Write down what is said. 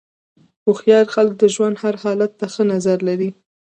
هوښیار خلک د ژوند هر حالت ته ښه نظر لري.